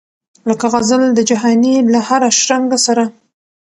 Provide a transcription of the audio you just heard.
لکه غزل د جهاني له هره شرنګه سره